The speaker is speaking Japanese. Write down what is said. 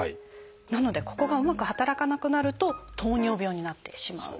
なのでここがうまく働かなくなると糖尿病になってしまう。